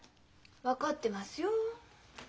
分かってますよ。